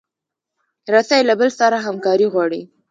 رسۍ له بل سره همکاري غواړي.